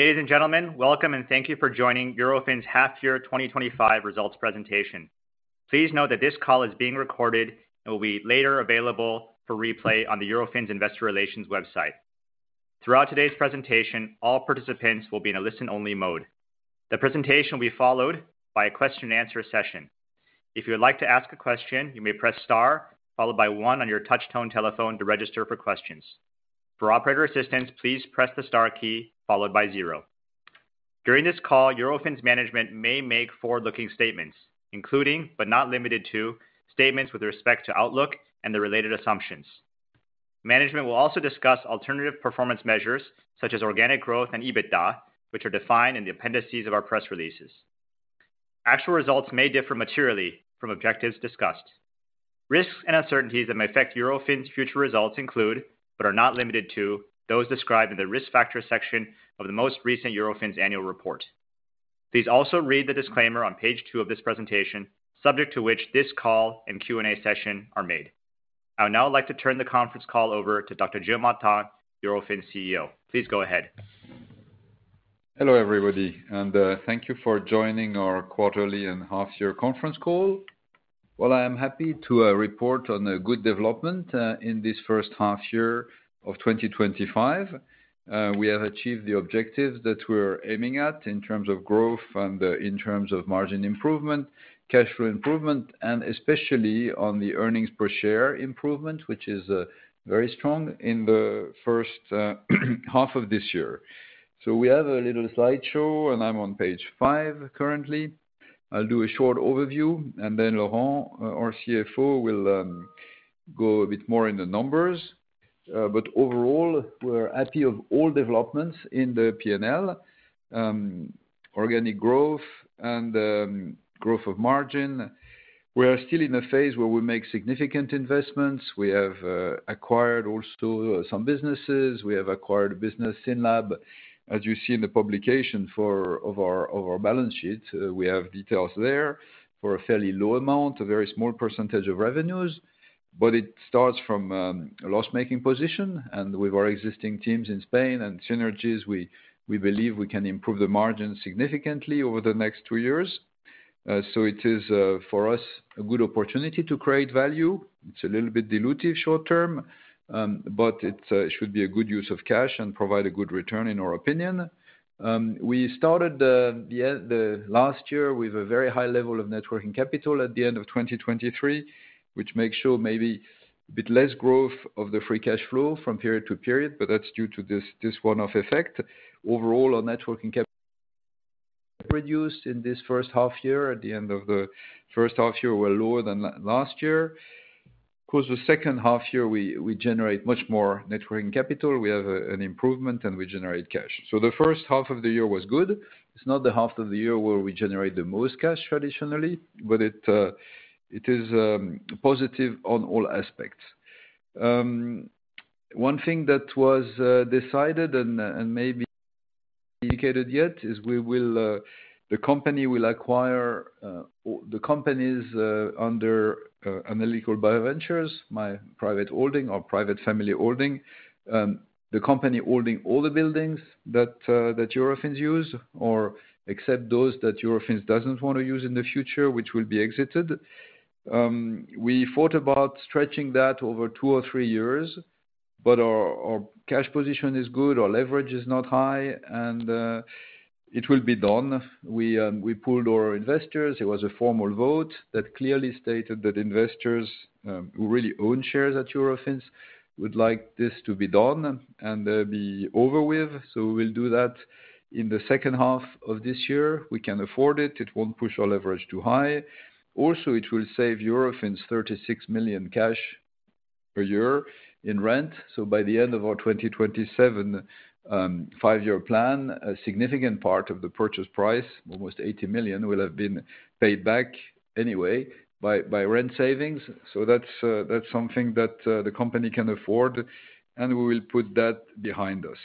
Ladies and gentlemen, welcome and thank you for joining Eurofins' half-year 2025 results presentation. Please note that this call is being recorded and will be later available for replay on the Eurofins Investor Relations website. Throughout today's presentation, all participants will be in a listen-only mode. The presentation will be followed by a question-and-answer session. If you would like to ask a question, you may press star followed by one on your touch-tone telephone to register for questions. For operator assistance, please press the star key followed by zero. During this call, Eurofins management may make forward-looking statements, including, but not limited to, statements with respect to outlook and the related assumptions. Management will also discuss alternative performance measures such as organic growth and EBITDA, which are defined in the appendices of our press releases. Actual results may differ materially from objectives discussed. Risks and uncertainties that may affect Eurofins' future results include, but are not limited to, those described in the risk factor section of the most recent Eurofins annual report. Please also read the disclaimer on page two of this presentation, subject to which this call and Q&A session are made. I would now like to turn the conference call over to Dr. Gilles Martin, Eurofins CEO. Please go ahead. Hello everybody, and thank you for joining our quarterly and half-year conference call. I am happy to report on good development in this first half-year of 2025. We have achieved the objectives that we're aiming at in terms of growth and in terms of margin improvement, cash flow improvement, and especially on the earnings per share improvement, which is very strong in the first half of this year. We have a little slideshow, and I'm on page five currently. I'll do a short overview, and then Laurent, our CFO, will go a bit more into numbers. Overall, we're happy with all developments in the P&L. Organic growth and growth of margin. We are still in a phase where we make significant investments. We have acquired also some businesses. We have acquired a business, SYNLAB, as you see in the publication of our balance sheet. We have details there for a fairly low amount, a very small percentage of revenues, but it starts from a loss-making position. With our existing teams in Spain and synergies, we believe we can improve the margin significantly over the next two years. It is, for us, a good opportunity to create value. It's a little bit dilutive short-term, but it should be a good use of cash and provide a good return, in our opinion. We started last year with a very high level of networking capital at the end of 2023, which makes sure maybe a bit less growth of the free cash flow from period to period, but that's due to this one-off effect. Overall, our networking produced in this first half-year, at the end of the first half-year, were lower than last year. Of course, the second half-year, we generate much more networking capital. We have an improvement, and we generate cash. The first half of the year was good. It's not the half of the year where we generate the most cash traditionally, but it is positive on all aspects. One thing that was decided and maybe not indicated yet is the company will acquire the companies under Analytical BioVentures, my private holding or private family holding. The company holding all the buildings that Eurofins use, or except those that Eurofins doesn't want to use in the future, which will be exited. We thought about stretching that over two or three years, but our cash position is good. Our leverage is not high, and it will be done. We polled our investors. It was a formal vote that clearly stated that investors who really own shares at Eurofins would like this to be done and be over with. We'll do that in the second half of this year. We can afford it. It won't push our leverage too high. Also, it will save Eurofins 36 million per year in rent. By the end of our 2027. Five-year plan, a significant part of the purchase price, almost 80 million, will have been paid back anyway by rent savings. That is something that the company can afford, and we will put that behind us.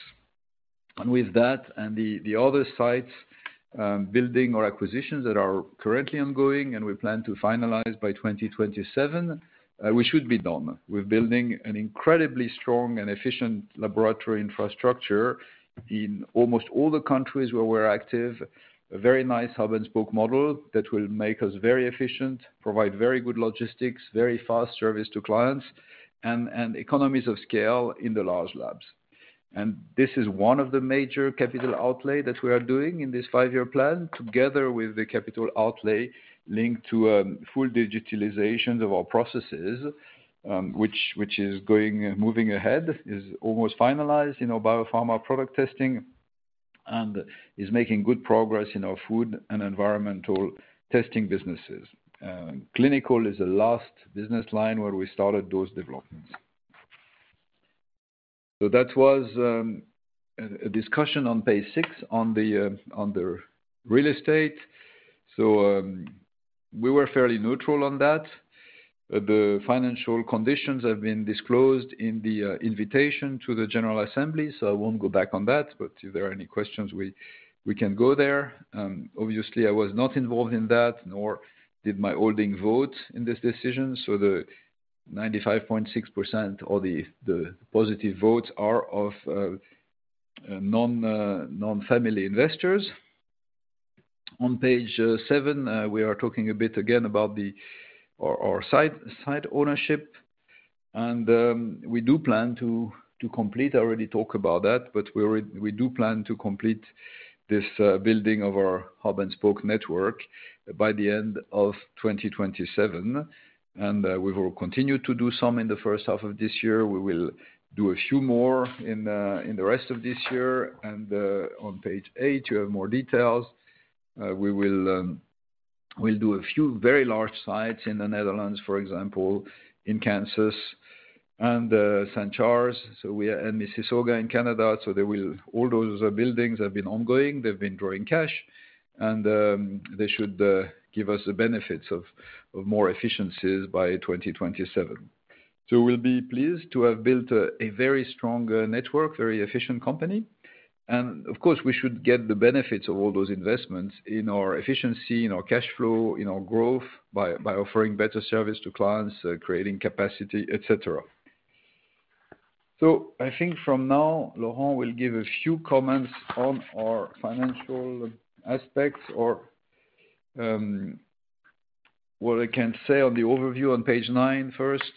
With that and the other sites, building or acquisitions that are currently ongoing and we plan to finalize by 2027, we should be done with building an incredibly strong and efficient laboratory infrastructure in almost all the countries where we are active, a very nice hub-and-spoke model that will make us very efficient, provide very good logistics, very fast service to clients, and economies of scale in the large labs. This is one of the major capital outlays that we are doing in this five-year plan, together with the capital outlay linked to full digitalization of our processes, which is moving ahead, is almost finalized in our biopharma product testing, and is making good progress in our food and environmental testing businesses. Clinical is the last business line where we started those developments. That was a discussion on page six on the real estate. We were fairly neutral on that. The financial conditions have been disclosed in the invitation to the General Assembly, so I will not go back on that, but if there are any questions, we can go there. Obviously, I was not involved in that, nor did my holding vote in this decision. The 95.6% or the positive votes are of non-family investors. On page seven, we are talking a bit again about our site ownership. We do plan to complete—I already talked about that—but we do plan to complete this building of our hub-and-spoke network by the end of 2027. We will continue to do some in the first half of this year. We will do a few more in the rest of this year. On page eight, you have more details. We will do a few very large sites in the Netherlands, for example, in Kansas, and St. Charles and Mississauga in Canada. All those buildings have been ongoing. They have been drawing cash, and they should give us the benefits of more efficiencies by 2027. We will be pleased to have built a very strong network, very efficient company. Of course, we should get the benefits of all those investments in our efficiency, in our cash flow, in our growth by offering better service to clients, creating capacity, etc. I think from now, Laurent will give a few comments on our financial aspects or what I can say on the overview on page nine first.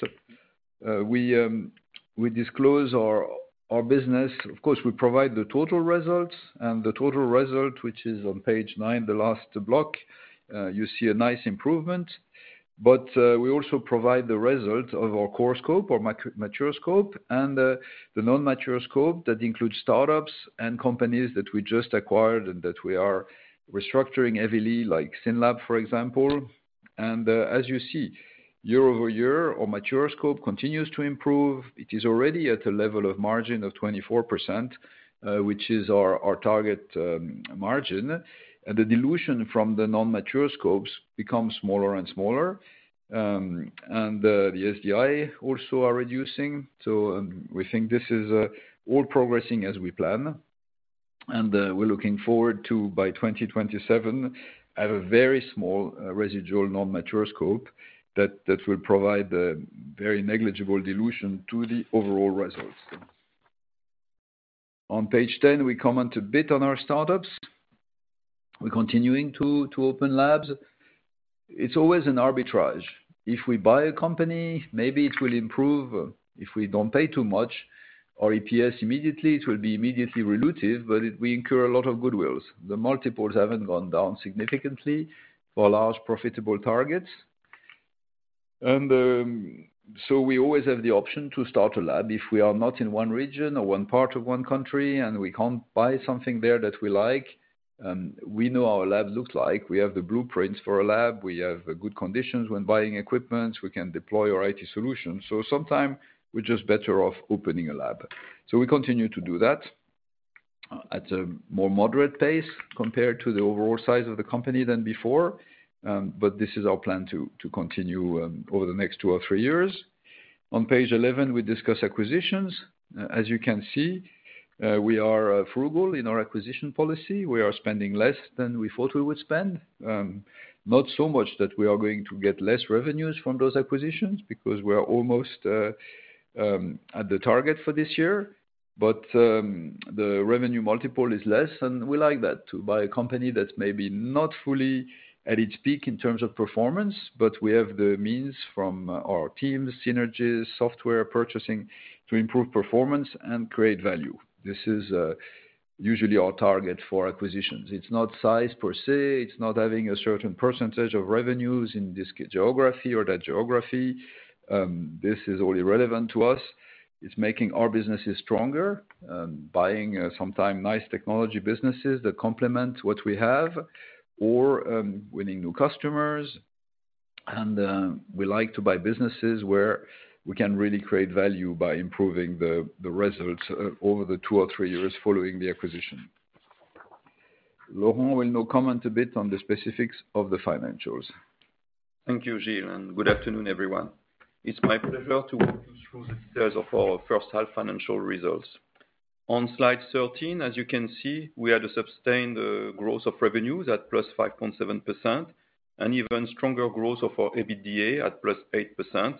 We disclose our business. Of course, we provide the total results, and the total result, which is on page nine, the last block, you see a nice improvement. We also provide the result of our core scope or mature scope and the non-mature scope that includes startups and companies that we just acquired and that we are restructuring heavily, like SYNLAB, for example. As you see, year-over-year, our mature scope continues to improve. It is already at a level of margin of 24%, which is our target margin. The dilution from the non-mature scopes becomes smaller and smaller. The SDI also are reducing. We think this is all progressing as we plan. We are looking forward to, by 2027, have a very small residual non-mature scope that will provide a very negligible dilution to the overall results. On page 10, we comment a bit on our startups. We are continuing to open labs. It is always an arbitrage. If we buy a company, maybe it will improve. If we do not pay too much, our EPS immediately will be immediately relutive, but we incur a lot of goodwill. The multiples have not gone down significantly for large profitable targets. We always have the option to start a lab. If we are not in one region or one part of one country and we cannot buy something there that we like, we know how a lab looks like. We have the blueprints for a lab. We have good conditions when buying equipment. We can deploy our IT solutions. Sometimes we are just better off opening a lab. We continue to do that at a more moderate pace compared to the overall size of the company than before. This is our plan to continue over the next two or three years. On page 11, we discuss acquisitions. As you can see, we are frugal in our acquisition policy. We are spending less than we thought we would spend. Not so much that we are going to get less revenues from those acquisitions because we are almost at the target for this year. The revenue multiple is less, and we like that, to buy a company that is maybe not fully at its peak in terms of performance, but we have the means from our teams, synergies, software purchasing to improve performance and create value. This is usually our target for acquisitions. It is not size per se. It is not having a certain percentage of revenues in this geography or that geography. This is only relevant to us. It is making our businesses stronger, buying sometimes nice technology businesses that complement what we have, or winning new customers. We like to buy businesses where we can really create value by improving the results over the two or three years following the acquisition. Laurent will now comment a bit on the specifics of the financials. Thank you, Gilles, and good afternoon, everyone. It's my pleasure to walk you through the details of our first half financial results. On slide 13, as you can see, we had a sustained growth of revenues at +5.7% and even stronger growth of our EBITDA at +8%.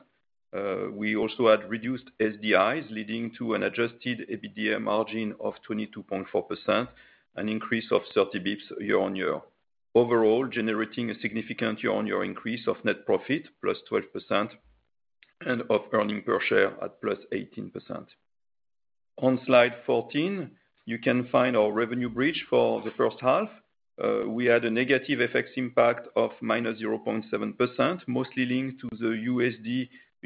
We also had reduced SDIs, leading to an adjusted EBITDA margin of 22.4% and an increase of 30 basis points year-on-year. Overall, generating a significant year-on-year increase of net profit, +12%. And of earning per share at +18%. On slide 14, you can find our revenue bridge for the first half. We had a negative FX impact of -0.7%, mostly linked to the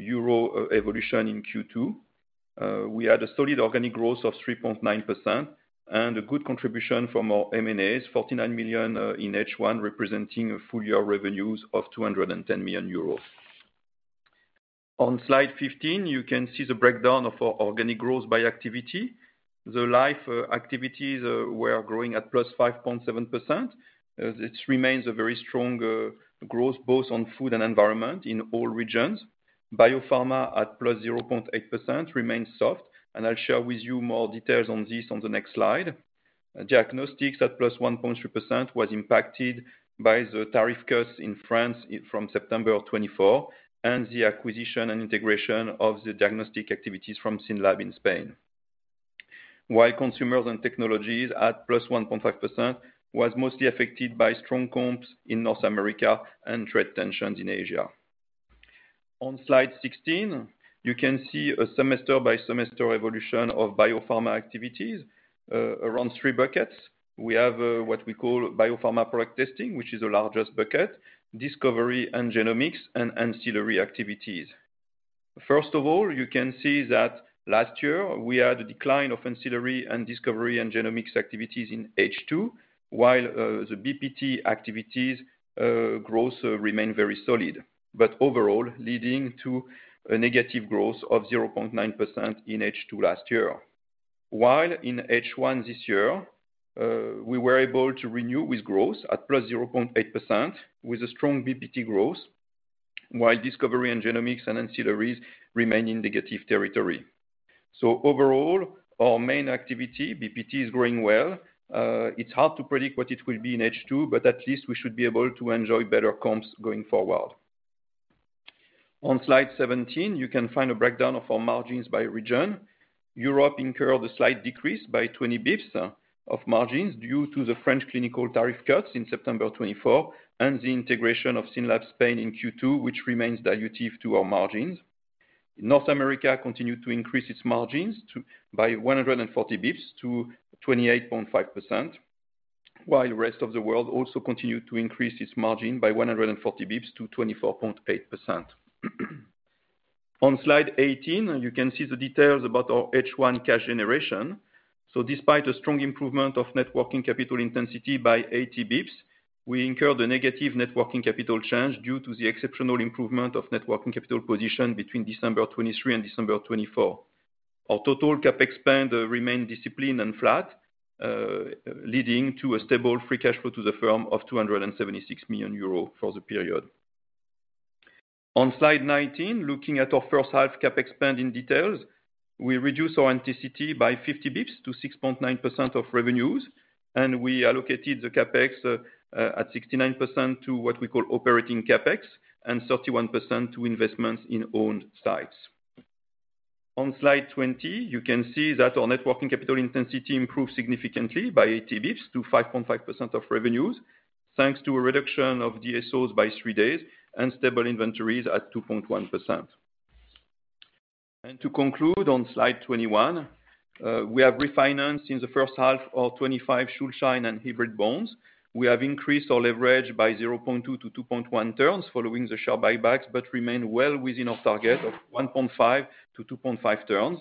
USD/EUR evolution in Q2. We had a solid organic growth of 3.9% and a good contribution from our M&As, 49 million in H1, representing full-year revenues of 210 million euros. On slide 15, you can see the breakdown of our organic growth by activity. The life activities were growing at +5.7%. This remains a very strong growth, both on food and environment in all regions. Biopharma at +0.8% remains soft, and I'll share with you more details on this on the next slide. Diagnostics at +1.3% was impacted by the tariff cuts in France from September 2024 and the acquisition and integration of the diagnostic activities from SYNLAB in Spain. While consumers and technologies at +1.5% were mostly affected by strong comps in North America and trade tensions in Asia. On slide 16, you can see a semester-by-semester evolution of biopharma activities. Around three buckets. We have what we call biopharma product testing, which is the largest bucket, discovery and genomics, and ancillary activities. First of all, you can see that last year, we had a decline of ancillary and discovery and genomics activities in H2, while the BPT activities. Growth remained very solid, but overall leading to a negative growth of 0.9% in H2 last year. While in H1 this year, we were able to renew with growth at +0.8% with a strong BPT growth, while discovery and genomics and ancillaries remained in negative territory. So overall, our main activity, BPT, is growing well. It's hard to predict what it will be in H2, but at least we should be able to enjoy better comps going forward. On slide 17, you can find a breakdown of our margins by region. Europe incurred a slight decrease by 20 basis points of margins due to the French clinical tariff cuts in September 2024 and the integration of SYNLAB Spain in Q2, which remains dilutive to our margins. North America continued to increase its margins by 140 basis points to 28.5%. While the rest of the world also continued to increase its margin by 140 basis points to 24.8%. On slide 18, you can see the details about our H1 cash generation. Despite a strong improvement of net working capital intensity by 80 basis points, we incurred a negative net working capital change due to the exceptional improvement of net working capital position between December 2023 and December 2024. Our total CapEx spend remained disciplined and flat, leading to a stable free cash flow to the firm of 276 million euros for the period. On slide 19, looking at our first-half CapEx spend in detail, we reduced our intensity by 50 basis points to 6.9% of revenues, and we allocated the CapEx at 69% to what we call operating CapEx and 31% to investments in owned sites. On slide 20, you can see that our net working capital intensity improved significantly by 80 basis points to 5.5% of revenues, thanks to a reduction of DSOs by three days and stable inventories at 2.1%. To conclude, on slide 21, we have refinanced in the first half our 2025 Schuldschein and hybrid bonds. We have increased our leverage by 0.2 to 2.1 turns following the share buybacks, but remain well within our target of 1.5-2.5 turns.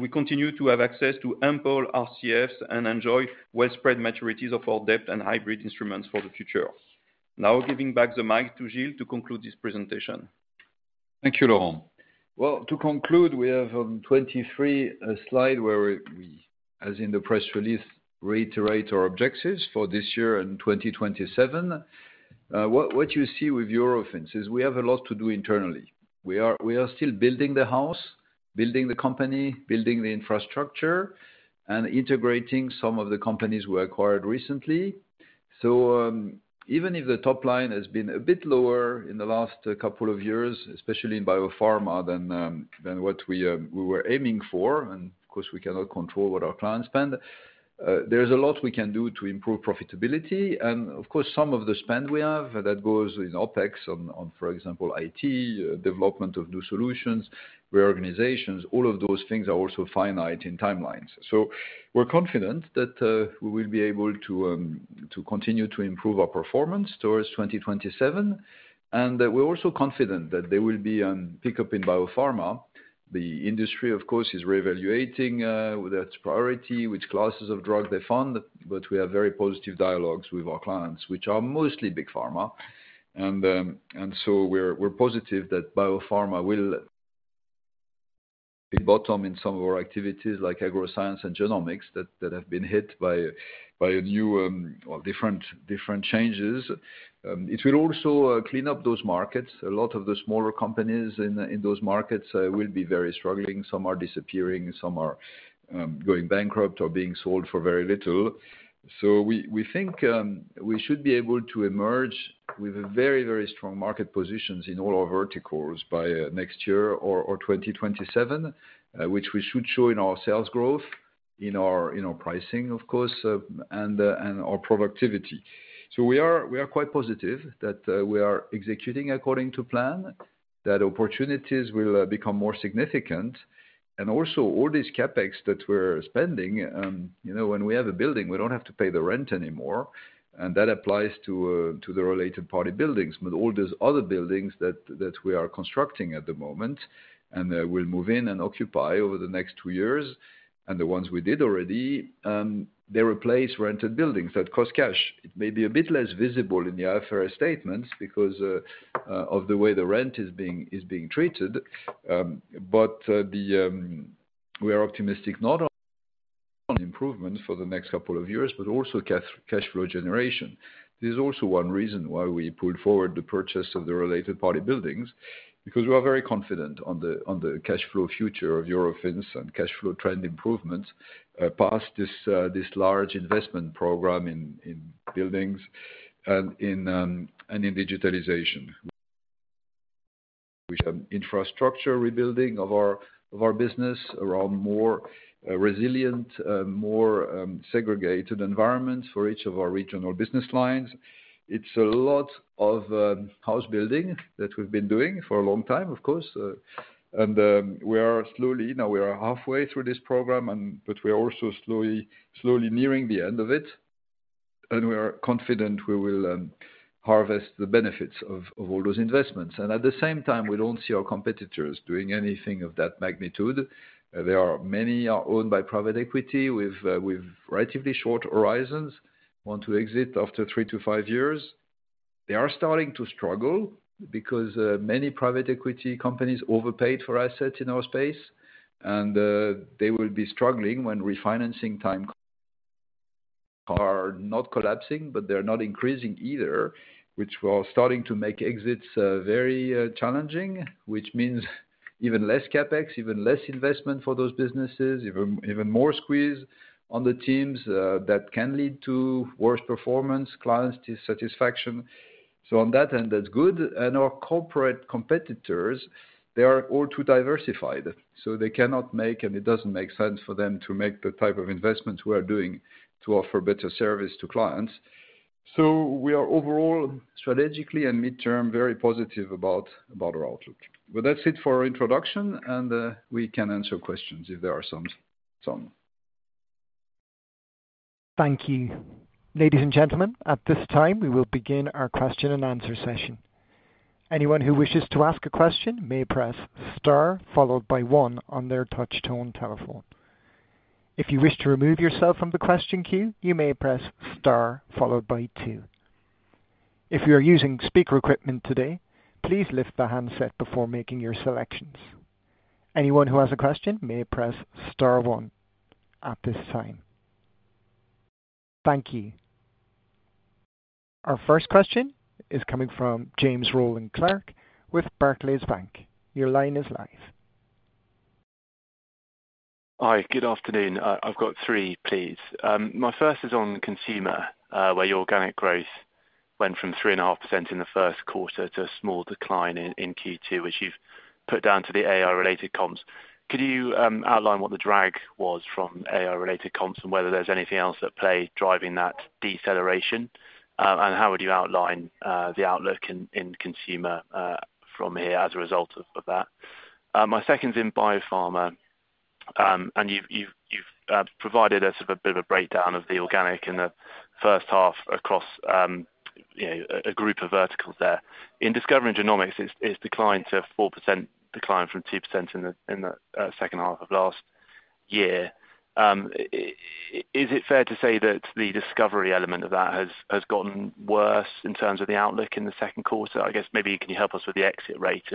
We continue to have access to ample RCFs and enjoy well-spread maturities of our debt and hybrid instruments for the future. Now giving back the mic to Gilles to conclude this presentation. Thank you, Laurent. To conclude, we have on 23 a slide where we, as in the press release, reiterate our objectives for this year and 2027. What you see with Eurofins is we have a lot to do internally. We are still building the house, building the company, building the infrastructure, and integrating some of the companies we acquired recently. Even if the top line has been a bit lower in the last couple of years, especially in biopharma than what we were aiming for, and of course, we cannot control what our clients spend, there is a lot we can do to improve profitability. Some of the spend we have that goes in OpEx on, for example, IT, development of new solutions, reorganizations, all of those things are also finite in timelines. We are confident that we will be able to continue to improve our performance towards 2027. We are also confident that there will be a pickup in biopharma. The industry, of course, is reevaluating its priority, which classes of drug they fund, but we have very positive dialogues with our clients, which are mostly big pharma. We are positive that biopharma will be bottom in some of our activities like agro science and genomics that have been hit by new or different changes. It will also clean up those markets. A lot of the smaller companies in those markets will be very struggling. Some are disappearing. Some are going bankrupt or being sold for very little. We think we should be able to emerge with very, very strong market positions in all our verticals by next year or 2027, which we should show in our sales growth, in our pricing, of course, and our productivity. We are quite positive that we are executing according to plan, that opportunities will become more significant. Also, all this CapEx that we are spending, when we have a building, we do not have to pay the rent anymore. That applies to the related party buildings, but all those other buildings that we are constructing at the moment and will move in and occupy over the next two years. The ones we did already, they replace rented buildings that cost cash. It may be a bit less visible in the IFRS statements because of the way the rent is being treated. We are optimistic not only on improvement for the next couple of years, but also cash flow generation. This is also one reason why we pulled forward the purchase of the related party buildings, because we are very confident on the cash flow future of Eurofins and cash flow trend improvements. Past this large investment program in buildings and in digitalization, we have infrastructure rebuilding of our business around more resilient, more segregated environments for each of our regional business lines. It is a lot of house building that we have been doing for a long time, of course. We are slowly now, we are halfway through this program, but we are also slowly nearing the end of it. We are confident we will harvest the benefits of all those investments. At the same time, we do not see our competitors doing anything of that magnitude. There are many owned by private equity with relatively short horizons, want to exit after three to five years. They are starting to struggle because many private equity companies overpaid for assets in our space, and they will be struggling when refinancing time. They are not collapsing, but they are not increasing either, which is starting to make exits very challenging, which means even less CapEx, even less investment for those businesses, even more squeeze on the teams that can lead to worse performance, client dissatisfaction. On that end, that is good. Our corporate competitors, they are all too diversified. They cannot make, and it does not make sense for them to make the type of investments we are doing to offer better service to clients. We are overall strategically and midterm very positive about our outlook. That is it for our introduction, and we can answer questions if there are some. Thank you. Ladies and gentlemen, at this time, we will begin our question and answer session. Anyone who wishes to ask a question may press star followed by one on their touch-tone telephone. If you wish to remove yourself from the question queue, you may press star followed by two. If you are using speaker equipment today, please lift the handset before making your selections. Anyone who has a question may press star one at this time. Thank you. Our first question is coming from James Rowland Clark with Barclays Bank. Your line is live. Hi, good afternoon. I've got three, please. My first is on consumer, where your organic growth went from 3.5% in the first quarter to a small decline in Q2, which you've put down to the AI-related comps. Could you outline what the drag was from AI-related comps and whether there's anything else at play driving that deceleration? How would you outline the outlook in consumer from here as a result of that? My second's in biopharma. You've provided a bit of a breakdown of the organic in the first half across a group of verticals there. In discovery and genomics, it's declined to 4%, declined from 2% in the second half of last year. Is it fair to say that the discovery element of that has gotten worse in terms of the outlook in the second quarter? I guess maybe can you help us with the exit rate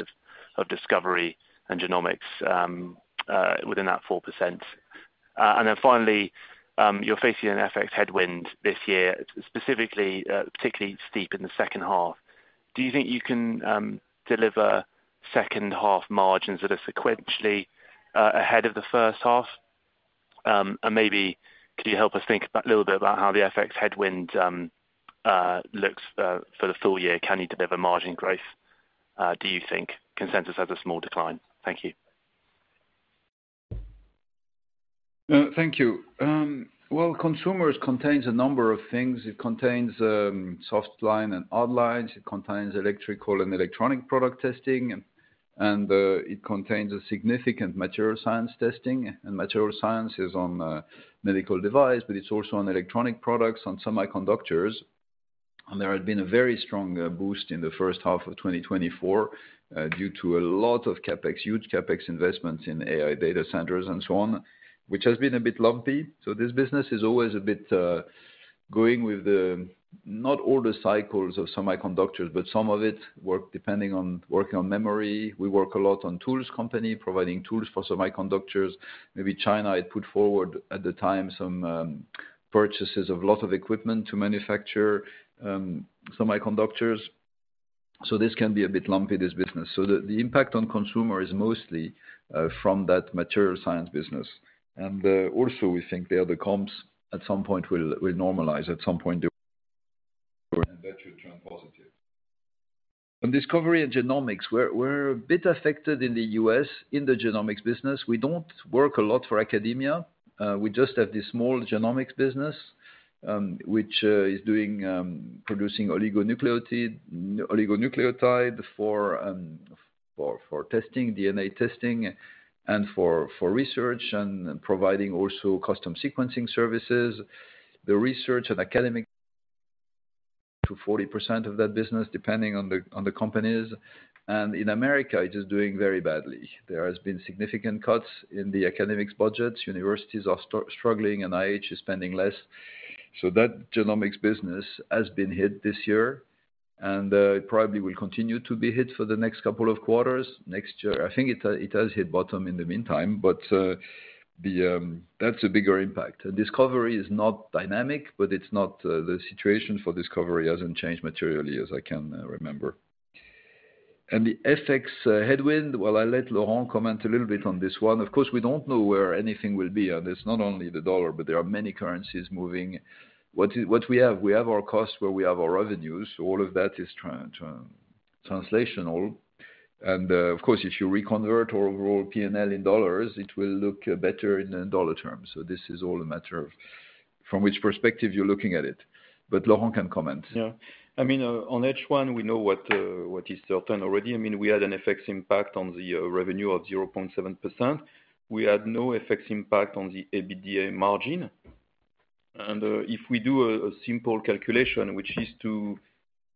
of discovery and genomics within that 4%? Finally, you're facing an FX headwind this year, particularly steep in the second half. Do you think you can deliver second-half margins that are sequentially ahead of the first half? Maybe could you help us think a little bit about how the FX headwind looks for the full year? Can you deliver margin growth, do you think? Consensus has a small decline. Thank you. Thank you. Consumers contains a number of things. It contains soft line and hard lines. It contains electrical and electronic product testing. It contains significant material science testing. Material science is on medical devices, but it is also on electronic products and semiconductors. There had been a very strong boost in the first half of 2024 due to a lot of huge CapEx investments in AI data centers and so on, which has been a bit lumpy. This business is always a bit going with not all the cycles of semiconductors, but some of it, depending on working on memory. We work a lot on tools companies, providing tools for semiconductors. Maybe China had put forward at the time some purchases of a lot of equipment to manufacture semiconductors. This can be a bit lumpy, this business. The impact on consumer is mostly from that material science business. We think the other comps at some point will normalize. At some point, that should turn positive. On discovery and genomics, we are a bit affected in the U.S. in the genomics business. We do not work a lot for academia. We just have this small genomics business, which is producing oligonucleotide for testing, DNA testing, and for research and providing also custom sequencing services. The research and academic is up to 40% of that business, depending on the companies. In America, it is doing very badly. There have been significant cuts in the academics budgets. Universities are struggling, and NIH is spending less. That genomics business has been hit this year, and it probably will continue to be hit for the next couple of quarters. Next year, I think it has hit bottom in the meantime, but that is a bigger impact. Discovery is not dynamic, but the situation for discovery has not changed materially as I can remember. The FX headwind, I will let Laurent comment a little bit on this one. Of course, we do not know where anything will be. It is not only the dollar, but there are many currencies moving. What we have, we have our costs where we have our revenues. All of that is translational. Of course, if you reconvert our overall P&L in dollars, it will look better in dollar terms. This is all a matter of from which perspective you are looking at it. Laurent can comment. Yeah. I mean, on H1, we know what is certain already. I mean, we had an FX impact on the revenue of 0.7%. We had no FX impact on the EBITDA margin. If we do a simple calculation, which is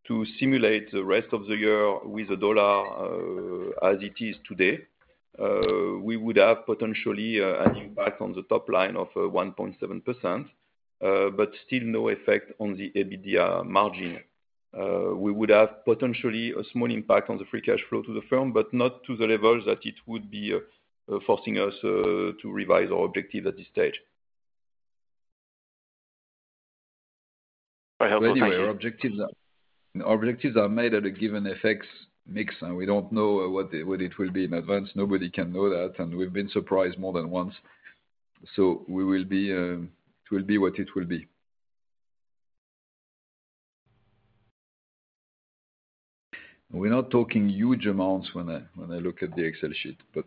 to simulate the rest of the year with the dollar as it is today, we would have potentially an impact on the top line of 1.7%. Still no effect on the EBITDA margin. We would have potentially a small impact on the free cash flow to the firm, but not to the level that it would be forcing us to revise our objective at this stage. Very helpful. Anyway, our objectives are made at a given FX mix, and we don't know what it will be in advance. Nobody can know that. We've been surprised more than once. It will be what it will be. We're not talking huge amounts when I look at the Excel sheet, but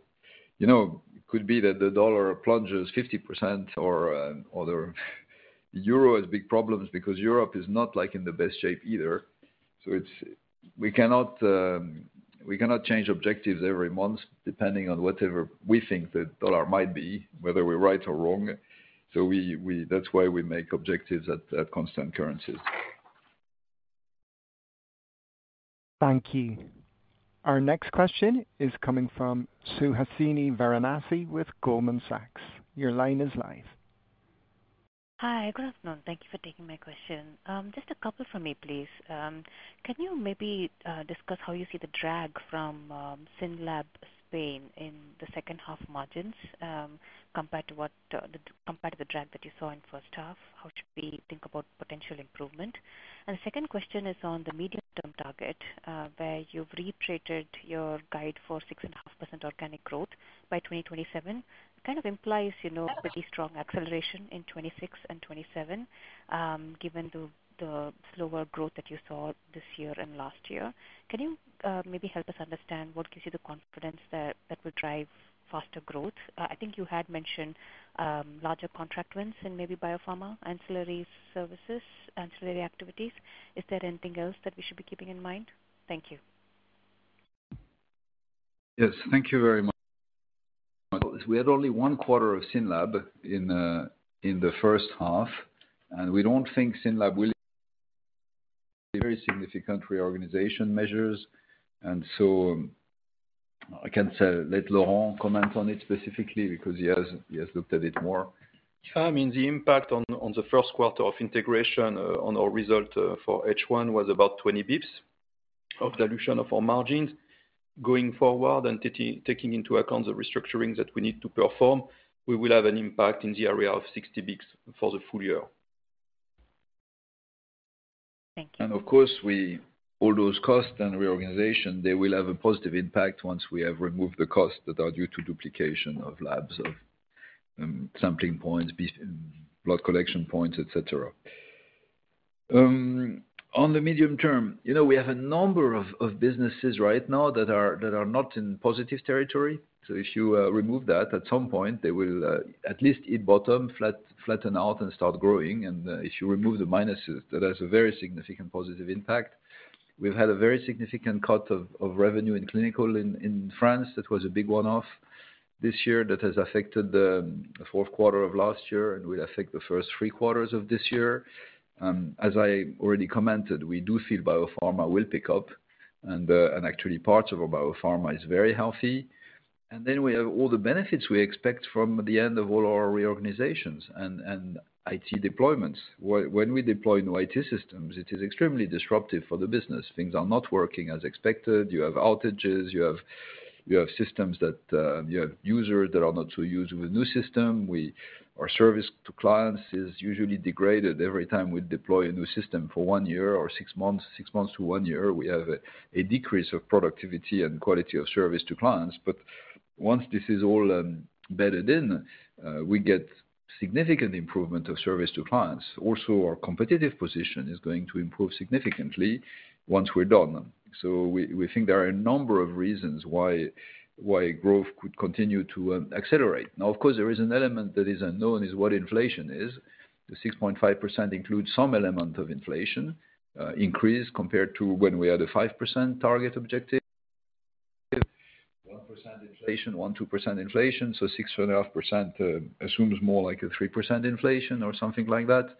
it could be that the dollar plunges 50% or euro has big problems because Europe is not in the best shape either. We cannot change objectives every month depending on whatever we think the dollar might be, whether we're right or wrong. That's why we make objectives at constant currencies. Thank you. Our next question is coming from Suhasini Varanasi with Goldman Sachs. Your line is live. Hi, good afternoon. Thank you for taking my question. Just a couple for me, please. Can you maybe discuss how you see the drag from SYNLAB Spain in the second-half margins compared to the drag that you saw in first half? How should we think about potential improvement? The second question is on the medium-term target, where you've reiterated your guide for 6.5% organic growth by 2027. It kind of implies pretty strong acceleration in 2026 and 2027. Given the slower growth that you saw this year and last year, can you maybe help us understand what gives you the confidence that will drive faster growth? I think you had mentioned larger contract wins in maybe biopharma ancillary services, ancillary activities. Is there anything else that we should be keeping in mind? Thank you. Yes, thank you very much. We had only one quarter of SYNLAB in. The first half. We do not think SYNLAB will be significant reorganization measures. I can let Laurent comment on it specifically because he has looked at it more. I mean, the impact on the first quarter of integration on our result for H1 was about 20 basis points of dilution of our margins. Going forward and taking into account the restructuring that we need to perform, we will have an impact in the area of 60 basis points for the full year. Thank you. Of course, all those costs and reorganization, they will have a positive impact once we have removed the costs that are due to duplication of labs, sampling points, blood collection points, etc. In the medium term, we have a number of businesses right now that are not in positive territory. If you remove that, at some point, they will at least hit bottom, flatten out, and start growing. If you remove the minuses, that has a very significant positive impact. We've had a very significant cut of revenue in clinical in France that was a big one-off this year that has affected the fourth quarter of last year and will affect the first three quarters of this year. As I already commented, we do feel biopharma will pick up. Actually, parts of our biopharma are very healthy. Then we have all the benefits we expect from the end of all our reorganizations and IT deployments. When we deploy new IT systems, it is extremely disruptive for the business. Things are not working as expected. You have outages. You have systems that you have users that are not so used with a new system. Our service to clients is usually degraded every time we deploy a new system for one year or six months, six months to one year. We have a decrease of productivity and quality of service to clients. Once this is all bedded in, we get significant improvement of service to clients. Also, our competitive position is going to improve significantly once we're done. We think there are a number of reasons why growth could continue to accelerate. Now, of course, there is an element that is unknown, which is what inflation is. The 6.5% includes some element of inflation increase compared to when we had a 5% target objective. 1% inflation, 1%-2% inflation. 6.5% assumes more like a 3% inflation or something like that.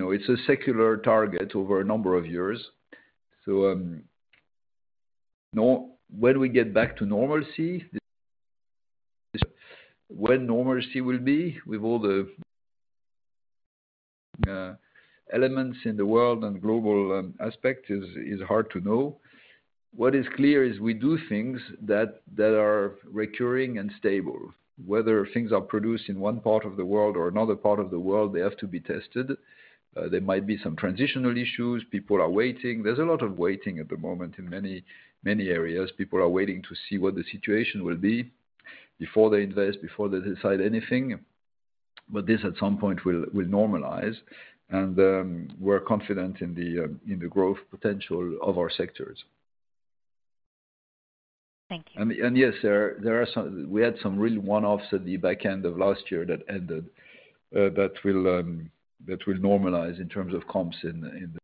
It is a secular target over a number of years. When we get back to normalcy. When normalcy will be with all the elements in the world and global aspect is hard to know. What is clear is we do things that are recurring and stable. Whether things are produced in one part of the world or another part of the world, they have to be tested. There might be some transitional issues. People are waiting. There's a lot of waiting at the moment in many areas. People are waiting to see what the situation will be before they invest, before they decide anything. This at some point will normalize. We're confident in the growth potential of our sectors. Thank you. Yes, we had some real one-offs at the back end of last year that ended. That will normalize in terms of comps in the.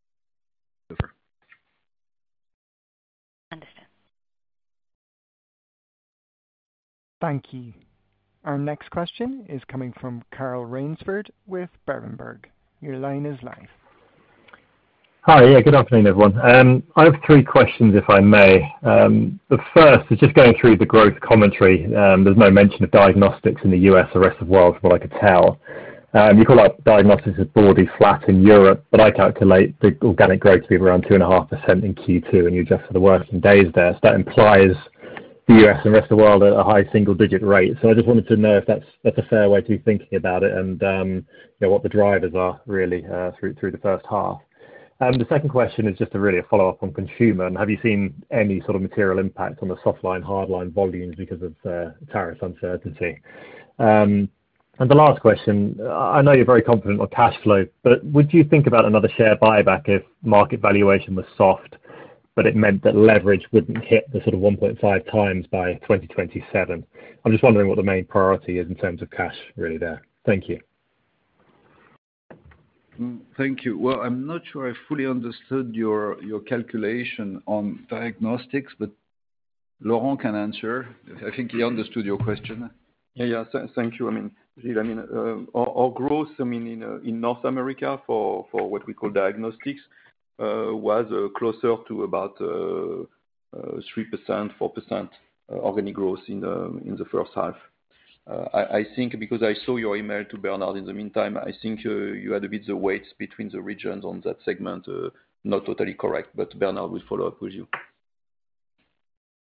Understood. Thank you. Our next question is coming from Carl Raynsford with Berenberg. Your line is live. Hi, yeah, good afternoon, everyone. I have three questions, if I may. The first is just going through the growth commentary. There's no mention of diagnostics in the U.S. or rest of the world from what I could tell. You call out diagnostics as broadly flat in Europe, but I calculate the organic growth to be around 2.5% in Q2, and you adjust for the working days there. That implies the U.S. and rest of the world at a high single-digit rate. I just wanted to know if that's a fair way to be thinking about it and what the drivers are really through the first half. The second question is just really a follow-up on consumer. Have you seen any sort of material impact on the soft line, hard line volumes because of tariff uncertainty? The last question, I know you're very confident on cash flow, but would you think about another share buyback if market valuation was soft, but it meant that leverage wouldn't hit the sort of 1.5x by 2027? I'm just wondering what the main priority is in terms of cash really there. Thank you. Thank you. I'm not sure I fully understood your calculation on diagnostics, but Laurent can answer. I think he understood your question. Yeah, yeah, thank you. I mean, our growth, I mean, in North America for what we call diagnostics was closer to about 3%-4% organic growth in the first half. I think because I saw your email to Bernard in the meantime, I think you had a bit of weights between the regions on that segment not totally correct, but Bernard will follow up with you.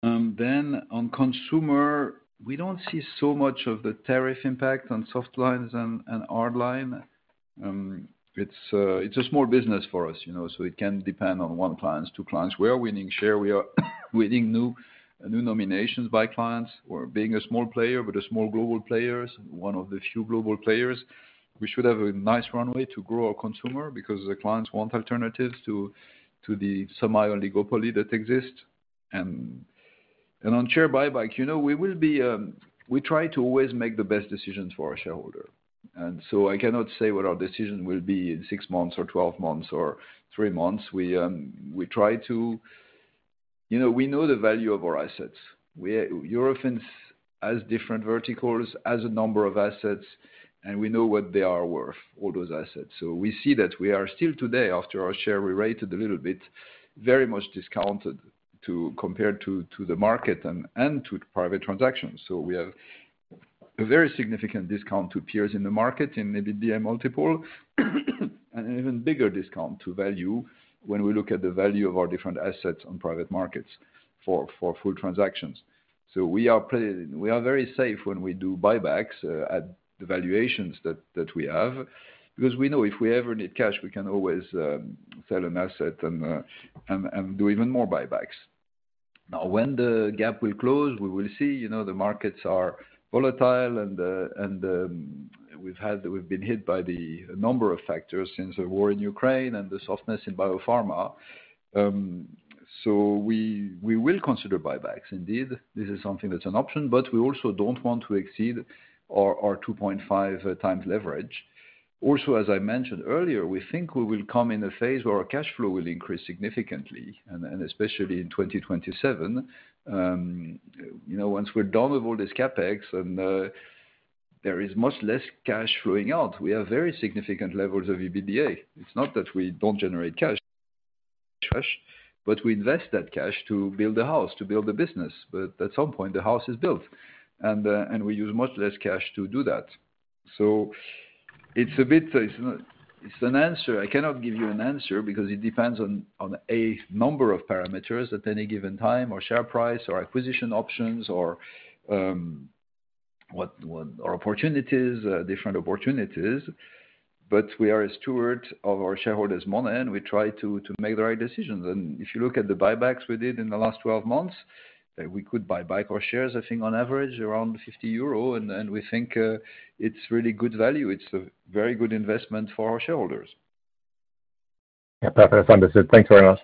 On consumer, we do not see so much of the tariff impact on soft lines and hard line. It is a small business for us, so it can depend on one client, two clients. We are winning share. We are winning new nominations by clients. We are a small player, but a small global player, one of the few global players. We should have a nice runway to grow our consumer because the clients want alternatives to the semi-oligopoly that exists. On share buyback, we try to always make the best decisions for our shareholder. I cannot say what our decision will be in six months or 12 months or three months. We know the value of our assets. Europe has different verticals, has a number of assets, and we know what they are worth, all those assets. We see that we are still today, after our share rerated a little bit, very much discounted compared to the market and to private transactions. We have a very significant discount to peers in the market in EBITDA multiple, and an even bigger discount to value when we look at the value of our different assets on private markets for full transactions. We are very safe when we do buybacks at the valuations that we have because we know if we ever need cash, we can always sell an asset and do even more buybacks. Now, when the gap will close, we will see. The markets are volatile, and we have been hit by a number of factors since the war in Ukraine and the softness in biopharma. We will consider buybacks. Indeed, this is something that is an option, but we also do not want to exceed our 2.5x leverage. Also, as I mentioned earlier, we think we will come in a phase where our cash flow will increase significantly, and especially in 2027. Once we are done with all this CapEx and there is much less cash flowing out, we have very significant levels of EBITDA. It is not that we do not generate cash, but we invest that cash to build a house, to build a business. At some point, the house is built, and we use much less cash to do that. It is a bit of an answer. I cannot give you an answer because it depends on a number of parameters at any given time: our share price, our acquisition options, or our opportunities, different opportunities. We are a steward of our shareholders' money, and we try to make the right decisions. If you look at the buybacks we did in the last 12 months, we could buy back our shares, I think, on average around 50 euro, and we think it is really good value. It is a very good investment for our shareholders. Yeah, perfect. Understood. Thanks very much.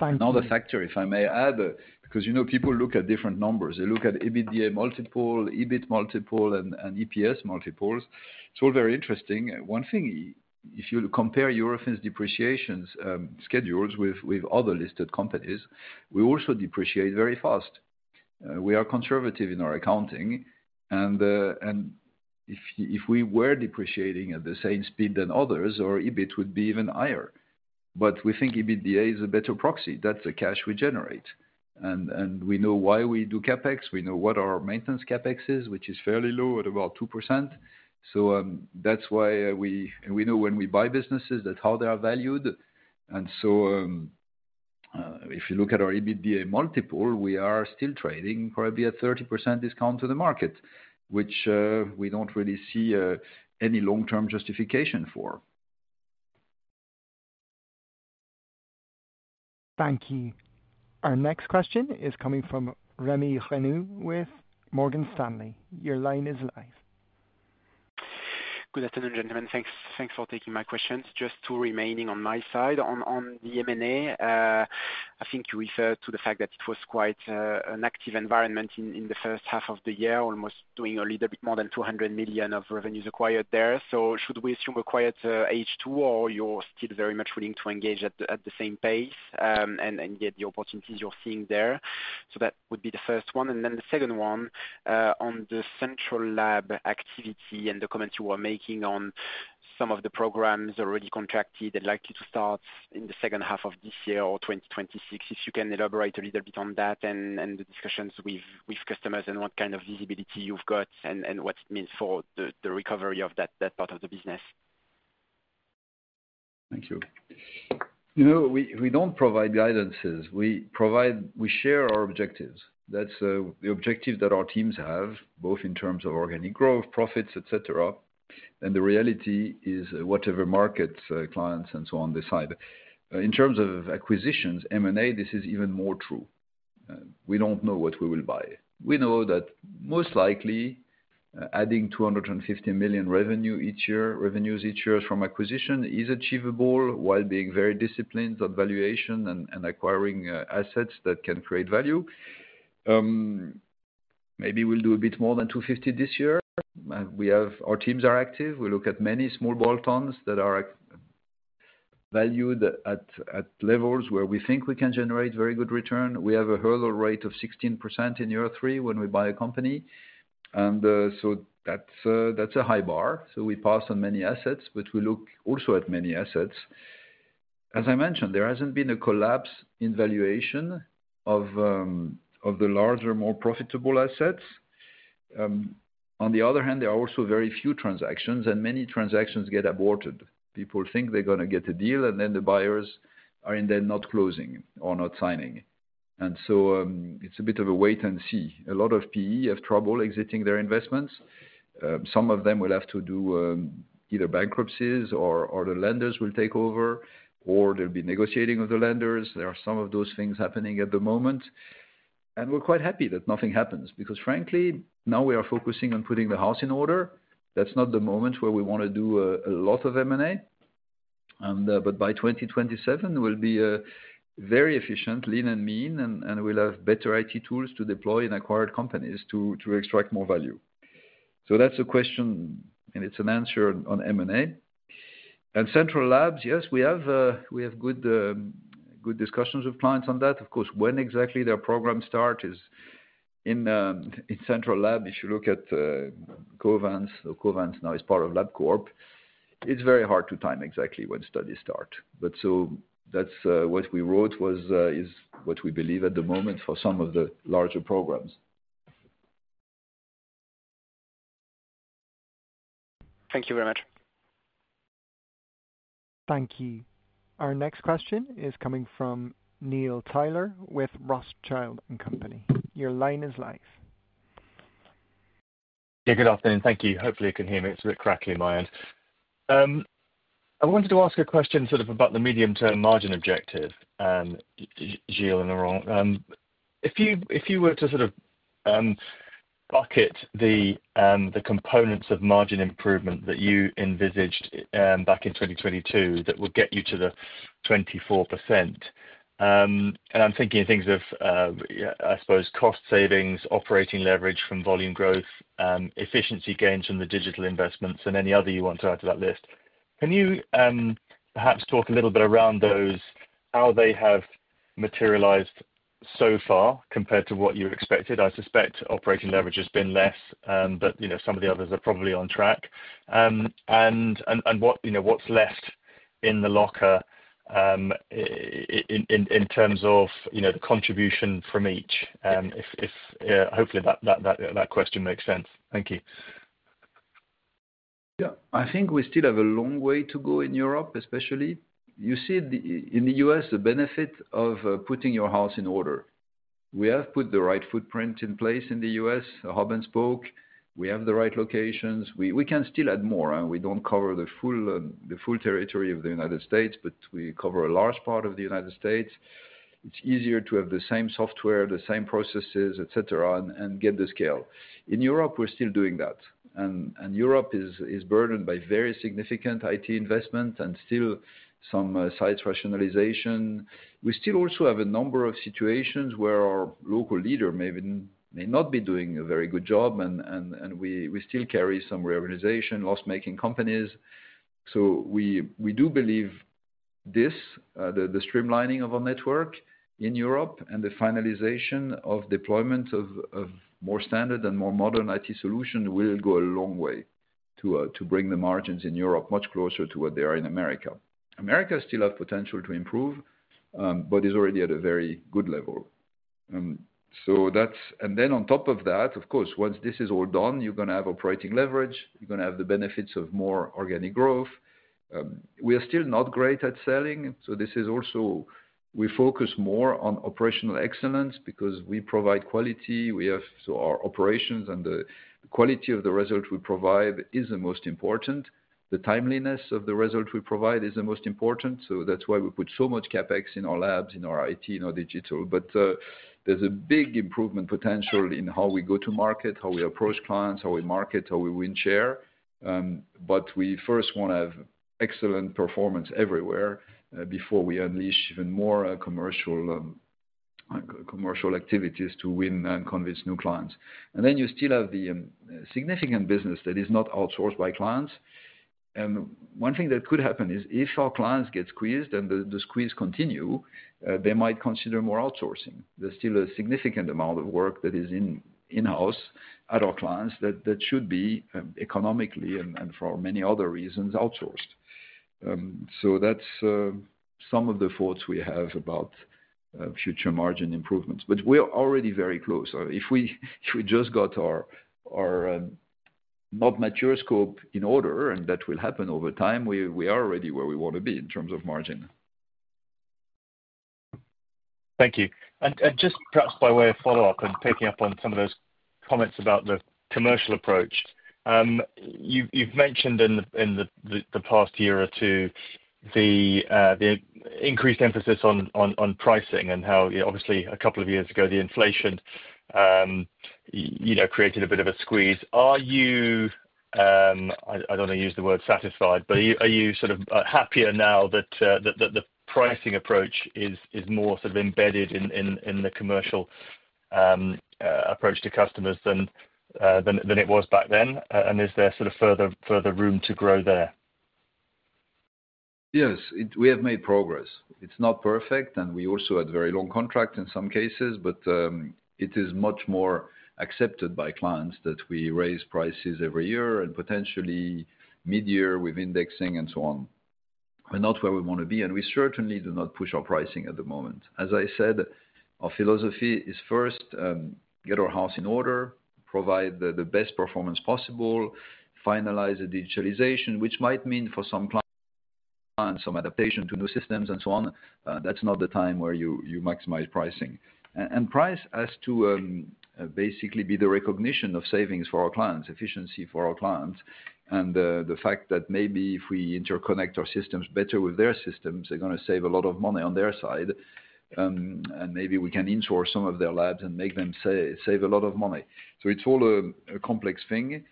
Thank you. Now, the factor, if I may add, because people look at different numbers. They look at EBITDA multiple, EBIT multiple, and EPS multiples. It's all very interesting. One thing, if you compare Eurofins' depreciation schedules with other listed companies, we also depreciate very fast. We are conservative in our accounting. If we were depreciating at the same speed as others, our EBIT would be even higher. We think EBITDA is a better proxy. That's the cash we generate. We know why we do CapEx. We know what our maintenance CapEx is, which is fairly low at about 2%. That's why we know when we buy businesses how they are valued. If you look at our EBITDA multiple, we are still trading probably at 30% discount to the market, which we don't really see any long-term justification for. Thank you. Our next question is coming from Rémi Grenu with Morgan Stanley. Your line is live. Good afternoon, gentlemen. Thanks for taking my questions. Just two remaining on my side. On the M&A. I think you referred to the fact that it was quite an active environment in the first half of the year, almost doing a little bit more than 200 million of revenues acquired there. Should we assume a quiet H2, or you're still very much willing to engage at the same pace and get the opportunities you're seeing there? That would be the first one. The second one, on the central lab activity and the comments you were making on some of the programs already contracted and likely to start in the second half of this year or 2026, if you can elaborate a little bit on that and the discussions with customers and what kind of visibility you've got and what it means for the recovery of that part of the business. Thank you. We do not provide guidances. We share our objectives. That is the objective that our teams have, both in terms of organic growth, profits, etc. The reality is whatever markets, clients, and so on decide. In terms of acquisitions, M&A, this is even more true. We do not know what we will buy. We know that most likely, adding 250 million revenues each year from acquisition is achievable while being very disciplined on valuation and acquiring assets that can create value. Maybe we will do a bit more than 250 million this year. Our teams are active. We look at many small bolt-ons that are valued at levels where we think we can generate very good return. We have a hurdle rate of 16% in year three when we buy a company, and that is a high bar. We pass on many assets, but we look also at many assets. As I mentioned, there has not been a collapse in valuation of the larger, more profitable assets. On the other hand, there are also very few transactions, and many transactions get aborted. People think they are going to get a deal, and then the buyers are not closing or not signing. It is a bit of a wait and see. A lot of PE have trouble exiting their investments. Some of them will have to do either bankruptcies or the lenders will take over, or they will be negotiating with the lenders. There are some of those things happening at the moment. We are quite happy that nothing happens because, frankly, now we are focusing on putting the house in order. That is not the moment where we want to do a lot of M&A. By 2027, we will be very efficient, lean and mean, and we will have better IT tools to deploy in acquired companies to extract more value. That is a question, and it is an answer on M&A. Central labs, yes, we have good discussions with clients on that. Of course, when exactly their programs start is—in central lab, if you look at Covance, or Covance now is part of Labcorp, it is very hard to time exactly when studies start. That is what we wrote is what we believe at the moment for some of the larger programs. Thank you very much. Thank you. Our next question is coming from Neil Tyler with Rothschild & Co. Your line is live. Yeah, good afternoon. Thank you. Hopefully, you can hear me. It's a bit crackly on my end. I wanted to ask a question sort of about the medium-term margin objective, Gilles and Laurent. If you were to sort of bucket the components of margin improvement that you envisaged back in 2022 that would get you to the 24%. I'm thinking of things of, I suppose, cost savings, operating leverage from volume growth, efficiency gains from the digital investments, and any other you want to add to that list. Can you perhaps talk a little bit around those, how they have materialized so far compared to what you expected? I suspect operating leverage has been less, but some of the others are probably on track. What's left in the locker in terms of the contribution from each? Hopefully, that question makes sense. Thank you. Yeah, I think we still have a long way to go in Europe, especially. You see, in the U.S., the benefit of putting your house in order. We have put the right footprint in place in the U.S., hub-and-spoke. We have the right locations. We can still add more. We do not cover the full territory of the United States, but we cover a large part of the United States. It is easier to have the same software, the same processes, etc., and get the scale. In Europe, we are still doing that. Europe is burdened by very significant IT investment and still some size rationalization. We still also have a number of situations where our local leader may not be doing a very good job, and we still carry some realization, loss-making companies. We do believe this, the streamlining of our network in Europe and the finalization of deployment of more standard and more modern IT solutions, will go a long way to bring the margins in Europe much closer to what they are in America. America still has potential to improve, but is already at a very good level. On top of that, of course, once this is all done, you are going to have operating leverage. You are going to have the benefits of more organic growth. We are still not great at selling. This is also, we focus more on operational excellence because we provide quality. Our operations and the quality of the result we provide is the most important. The timeliness of the result we provide is the most important. That is why we put so much CapEx in our labs, in our IT, in our digital. There is a big improvement potential in how we go to market, how we approach clients, how we market, how we win share. We first want to have excellent performance everywhere before we unleash even more commercial activities to win and convince new clients. You still have the significant business that is not outsourced by clients. One thing that could happen is if our clients get squeezed and the squeeze continues, they might consider more outsourcing. There is still a significant amount of work that is in-house at our clients that should be economically and for many other reasons outsourced. That is some of the thoughts we have about future margin improvements. We are already very close. If we just got our non-mature scope in order, and that will happen over time, we are already where we want to be in terms of margin. Thank you. Just perhaps by way of follow-up and picking up on some of those comments about the commercial approach. You have mentioned in the past year or two the increased emphasis on pricing and how, obviously, a couple of years ago, the inflation created a bit of a squeeze. Are you—I do not want to use the word satisfied, but are you sort of happier now that the pricing approach is more sort of embedded in the commercial approach to customers than it was back then? Is there sort of further room to grow there? Yes, we have made progress. It's not perfect, and we also had very long contracts in some cases, but it is much more accepted by clients that we raise prices every year and potentially mid-year with indexing and so on. We're not where we want to be, and we certainly do not push our pricing at the moment. As I said, our philosophy is first. Get our house in order, provide the best performance possible, finalize the digitalization, which might mean for some clients some adaptation to new systems and so on. That's not the time where you maximize pricing. Price has to basically be the recognition of savings for our clients, efficiency for our clients, and the fact that maybe if we interconnect our systems better with their systems, they're going to save a lot of money on their side. Maybe we can insource some of their labs and make them save a lot of money. It is all a complex thing,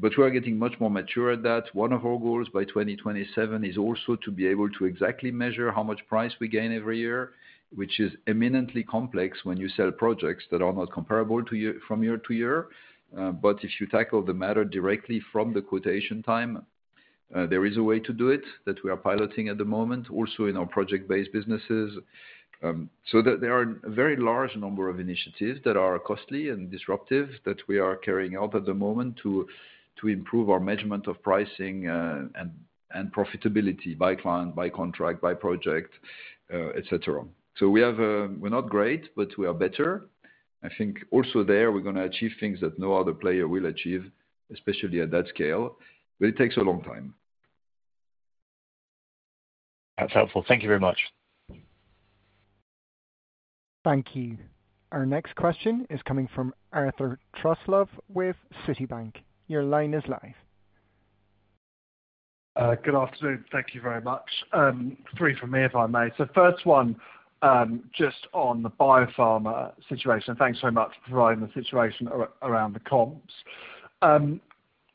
but we are getting much more mature at that. One of our goals by 2027 is also to be able to exactly measure how much price we gain every year, which is eminently complex when you sell projects that are not comparable from year to year. If you tackle the matter directly from the quotation time, there is a way to do it that we are piloting at the moment, also in our project-based businesses. There are a very large number of initiatives that are costly and disruptive that we are carrying out at the moment to improve our measurement of pricing and profitability by client, by contract, by project, etc. We're not great, but we are better. I think also there, we're going to achieve things that no other player will achieve, especially at that scale, but it takes a long time. That's helpful. Thank you very much. Thank you. Our next question is coming from Arthur Truslove with Citibank. Your line is live. Good afternoon. Thank you very much. Three from me, if I may. First one, just on the biopharma situation. Thanks very much for providing the situation around the comps.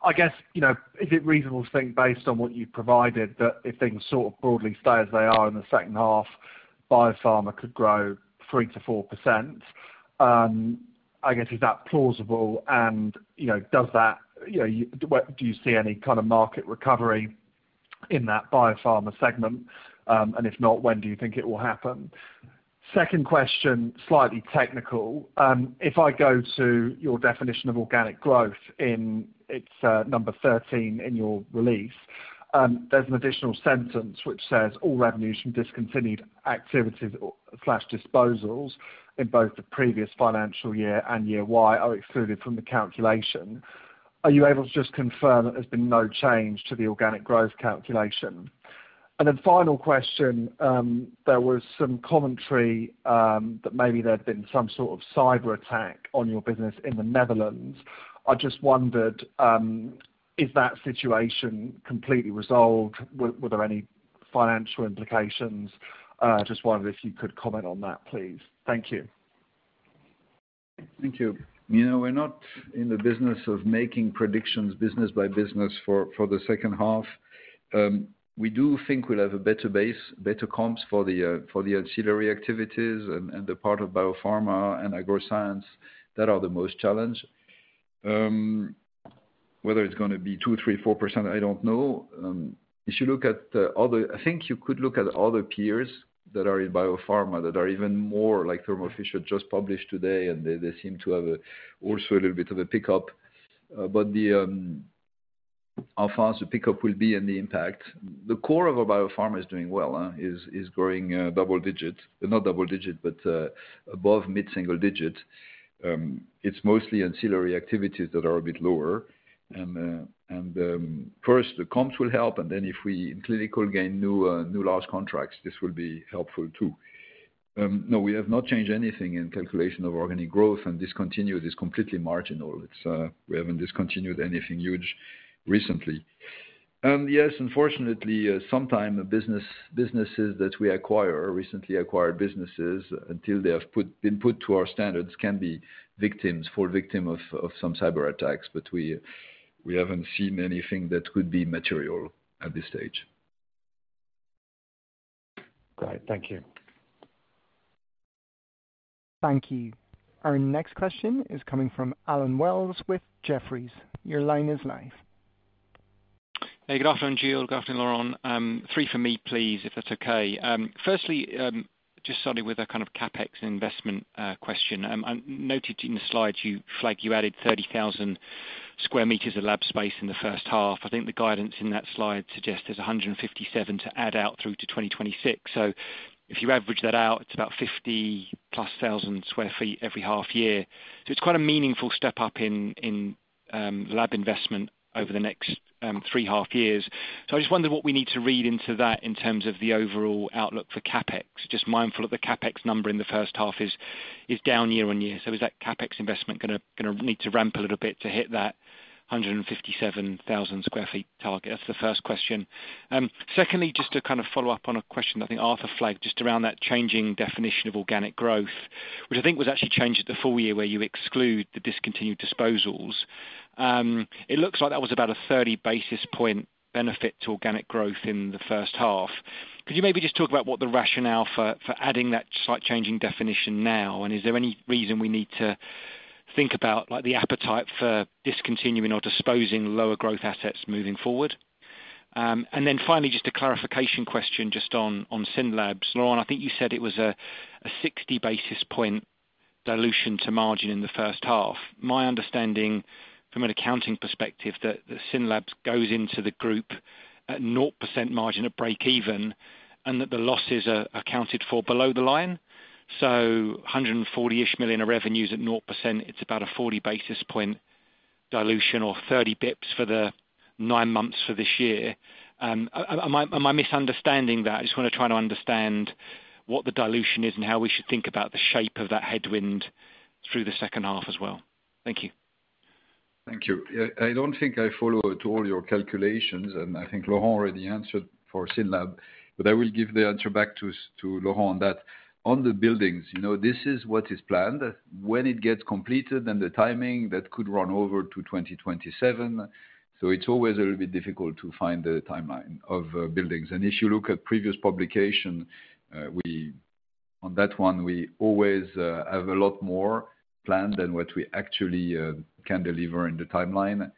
I guess, is it reasonable to think based on what you've provided that if things sort of broadly stay as they are in the second half, biopharma could grow 3%-4%? I guess, is that plausible? Do you see any kind of market recovery in that biopharma segment? If not, when do you think it will happen? Second question, slightly technical. If I go to your definition of organic growth in, it's number 13 in your release, there's an additional sentence which says, "All revenues from discontinued activities/disposals in both the previous financial year and year Y are excluded from the calculation." Are you able to just confirm that there's been no change to the organic growth calculation? Final question. There was some commentary that maybe there'd been some sort of cyber attack on your business in the Netherlands. I just wondered, is that situation completely resolved? Were there any financial implications? Just wondered if you could comment on that, please. Thank you. Thank you. We're not in the business of making predictions business by business for the second half. We do think we'll have a better base, better comps for the ancillary activities and the part of biopharma and agro-science that are the most challenged. Whether it's going to be 2%, 3%, 4%, I don't know. If you look at other, I think you could look at other peers that are in biopharma that are even more like Thermo Fisher just published today, and they seem to have also a little bit of a pickup. Of course, the pickup will be in the impact. The core of our biopharma is doing well, is growing double digit, not double digit, but above mid-single digit. It's mostly ancillary activities that are a bit lower. First, the comps will help, and then if we in clinical gain new large contracts, this will be helpful too. No, we have not changed anything in calculation of organic growth, and discontinued is completely marginal. We haven't discontinued anything huge recently. Yes, unfortunately, sometimes the businesses that we acquire, recently acquired businesses, until they have been put to our standards, can be victims, full victim of some cyber attacks, but we haven't seen anything that could be material at this stage. Great. Thank you. Thank you. Our next question is coming from Allen Wells with Jefferies. Your line is live. Hey, good afternoon, Gilles, good afternoon, Laurent. Three for me, please, if that's okay. Firstly, just started with a kind of CapEx investment question. I noted in the slides you flagged you added 30,000 sq m of lab space in the first half. I think the guidance in that slide suggests there's 157,000 sq ft to add out through to 2026. If you average that out, it's about 50,000+ sq ft every half year. It's quite a meaningful step up in lab investment over the next three half years. I just wondered what we need to read into that in terms of the overall outlook for CapEx. Just mindful of the CapEx number in the first half is down year on year. Is that CapEx investment going to need to ramp a little bit to hit that 157,000 sq ft target? That's the first question. Secondly, just to kind of follow up on a question that I think Arthur flagged just around that changing definition of organic growth, which I think was actually changed at the full year where you exclude the discontinued disposals. It looks like that was about a 30 basis point benefit to organic growth in the first half. Could you maybe just talk about what the rationale for adding that slight changing definition now is? Is there any reason we need to think about the appetite for discontinuing or disposing lower growth assets moving forward? Finally, just a clarification question just on SYNLAB. Laurent, I think you said it was a 60 basis point dilution to margin in the first half. My understanding from an accounting perspective is that SYNLAB goes into the group at 0% margin at break-even and that the losses are accounted for below the line. 140-ish million of revenues at 0%, it's about a 40 basis point dilution or 30 basis points for the nine months for this year. Am I misunderstanding that? I just want to try to understand what the dilution is and how we should think about the shape of that headwind through the second half as well. Thank you. Thank you. I do not think I follow all your calculations, and I think Laurent already answered for SYNLAB, but I will give the answer back to Laurent on that. On the buildings, this is what is planned. When it gets completed and the timing, that could run over to 2027. It is always a little bit difficult to find the timeline of buildings. If you look at previous publication on that one, we always have a lot more planned than what we actually can deliver in the timeline.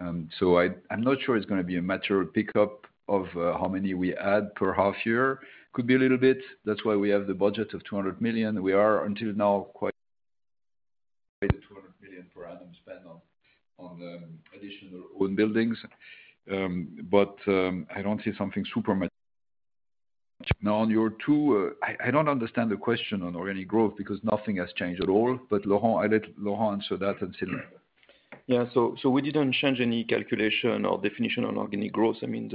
I am not sure it is going to be a matter of pickup of how many we add per half year. Could be a little bit. That is why we have the budget of 200 million. We are until now quite 200 million per annum spend on additional own buildings. I do not see something super. Now on your two, I do not understand the question on organic growth because nothing has changed at all. Laurent, I let Laurent answer that and SYNLAB. Yeah. We did not change any calculation or definition on organic growth. I mean,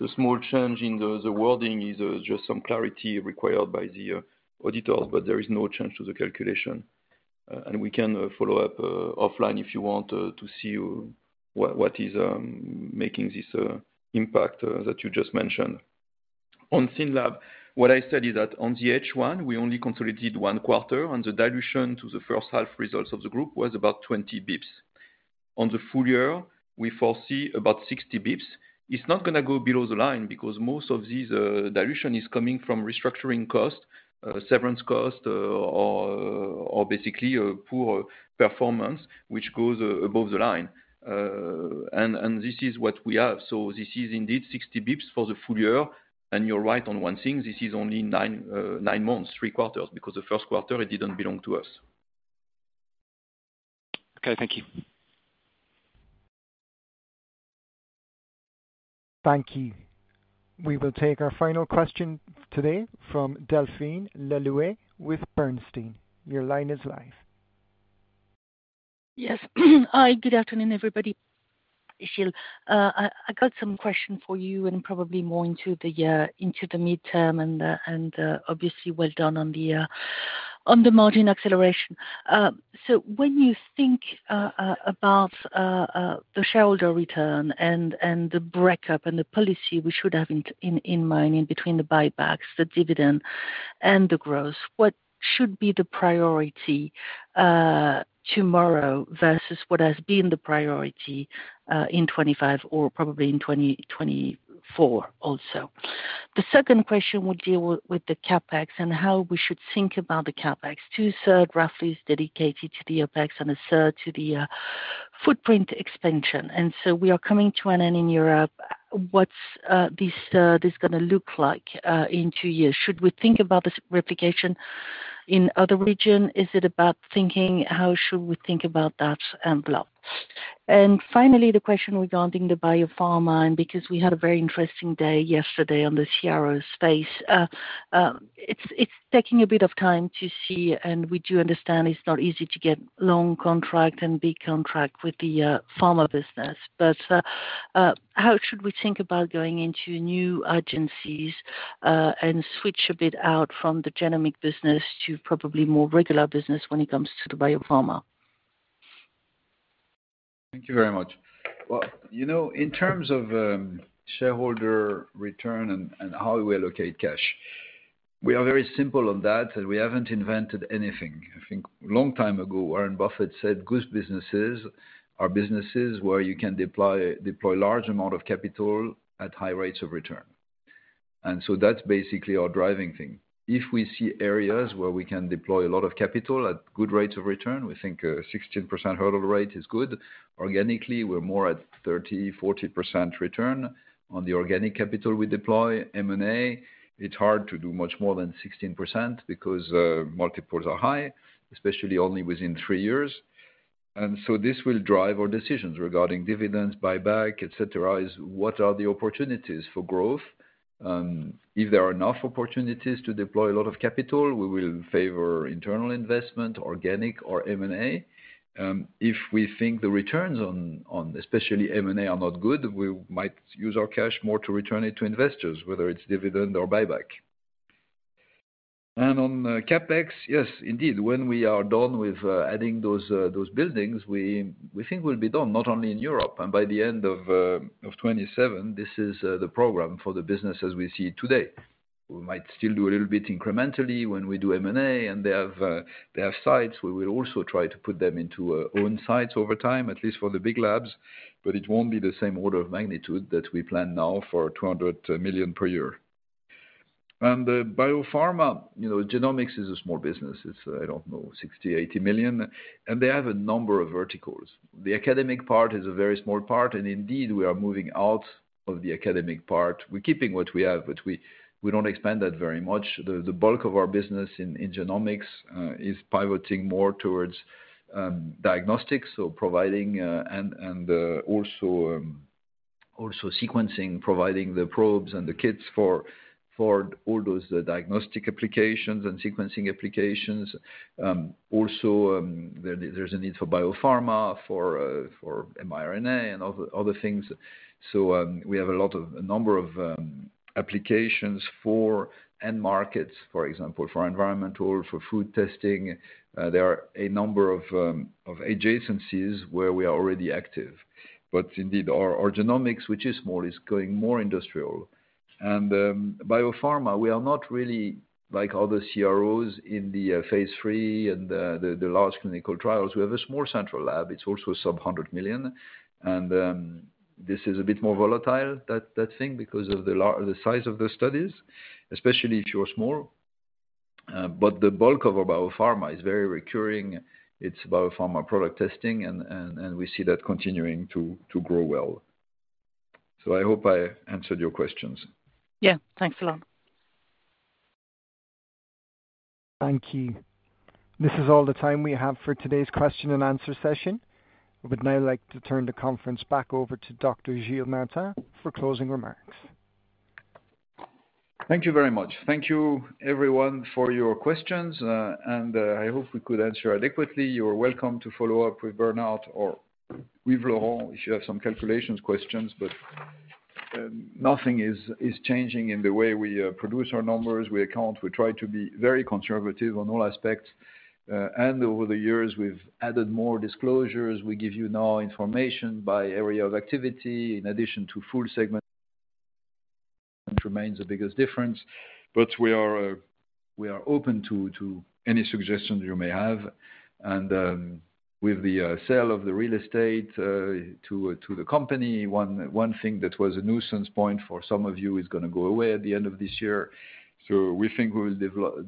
the small change in the wording is just some clarity required by the auditors, but there is no change to the calculation. We can follow up offline if you want to see what is making this impact that you just mentioned. On SYNLAB, what I said is that on the first half, we only consolidated one quarter, and the dilution to the first half results of the group was about 20 basis points. On the full year, we foresee about 60 basis points. It is not going to go below the line because most of this dilution is coming from restructuring cost, severance cost, or basically poor performance, which goes above the line. This is what we have. This is indeed 60 basis points for the full year. You are right on one thing. This is only nine months, three quarters, because the first quarter, it did not belong to us. Okay. Thank you. Thank you. We will take our final question today from Delphine Le Louët with Bernstein. Your line is live. Yes. Hi, good afternoon, everybody. Gilles. I got some questions for you and probably more into the midterm and obviously well done on the margin acceleration. When you think about the shareholder return and the breakup and the policy we should have in mind in between the buybacks, the dividend, and the growth, what should be the priority tomorrow versus what has been the priority in 2025 or probably in 2024 also? The second question would deal with the CapEx and how we should think about the CapEx. Two-thirds roughly is dedicated to the OpEx and a third to the footprint expansion. We are coming to an end in Europe. What's this going to look like in two years? Should we think about this replication in other regions? Is it about thinking how should we think about that envelope? Finally, the question regarding the biopharma, and because we had a very interesting day yesterday on the CRO space. It's taking a bit of time to see, and we do understand it's not easy to get long contract and big contract with the pharma business. How should we think about going into new agencies and switch a bit out from the genomic business to probably more regular business when it comes to the biopharma? Thank you very much. In terms of shareholder return and how we allocate cash, we are very simple on that, and we have not invented anything. I think a long time ago, Warren Buffett said, "Good businesses are businesses where you can deploy large amounts of capital at high rates of return." That is basically our driving thing. If we see areas where we can deploy a lot of capital at good rates of return, we think a 16% hurdle rate is good. Organically, we are more at 30%-40% return on the organic capital we deploy. M&A, it is hard to do much more than 16% because multiples are high, especially only within three years. This will drive our decisions regarding dividends, buyback, etc., what are the opportunities for growth. If there are enough opportunities to deploy a lot of capital, we will favor internal investment, organic, or M&A. If we think the returns on especially M&A are not good, we might use our cash more to return it to investors, whether it is dividend or buyback. On CapEx, yes, indeed, when we are done with adding those buildings, we think we will be done, not only in Europe. By the end of 2027, this is the program for the business as we see it today. We might still do a little bit incrementally when we do M&A, and they have sites. We will also try to put them into own sites over time, at least for the big labs, but it will not be the same order of magnitude that we plan now for 200 million per year. The biopharma, genomics is a small business. It is, I do not know, 60 million-80 million. They have a number of verticals. The academic part is a very small part, and indeed, we are moving out of the academic part. We are keeping what we have, but we do not expand that very much. The bulk of our business in genomics is pivoting more towards diagnostics, so providing and also sequencing, providing the probes and the kits for all those diagnostic applications and sequencing applications. Also, there is a need for biopharma, for mRNA, and other things. We have a number of applications for end markets, for example, for environmental, for food testing. There are a number of adjacencies where we are already active. Indeed, our genomics, which is small, is going more industrial. Biopharma, we are not really like other CROs in the phase three and the large clinical trials. We have a small central lab. It is also sub 100 million. This is a bit more volatile, that thing, because of the size of the studies, especially if you are small. The bulk of our biopharma is very recurring. It is biopharma product testing, and we see that continuing to grow well. I hope I answered your questions. Yeah. Thanks a lot. Thank you. This is all the time we have for today's question and answer session. I would now like to turn the conference back over to Dr. Gilles Martin for closing remarks. Thank you very much. Thank you, everyone, for your questions. I hope we could answer adequately. You're welcome to follow up with Bernard or with Laurent if you have some calculations questions. Nothing is changing in the way we produce our numbers. We account, we try to be very conservative on all aspects. Over the years, we've added more disclosures. We give you now information by area of activity in addition to full segment. Remains the biggest difference. We are open to any suggestions you may have. With the sale of the real estate to the company, one thing that was a nuisance point for some of you is going to go away at the end of this year. We think we will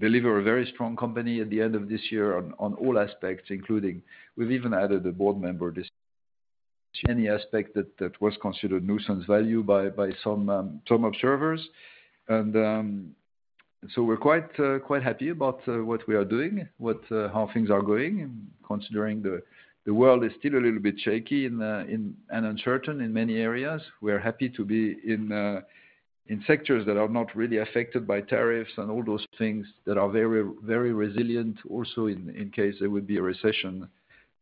deliver a very strong company at the end of this year on all aspects, including we've even added a board member. Any aspect that was considered nuisance value by some observers. We are quite happy about what we are doing, how things are going, considering the world is still a little bit shaky and uncertain in many areas. We're happy to be in sectors that are not really affected by tariffs and all those things that are very resilient also in case there would be a recession.